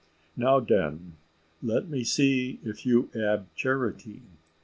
Now den, let me see if you ab charity.